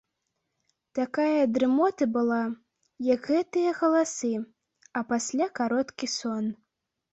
Такая дрымота была, як гэтыя галасы, а пасля кароткі сон.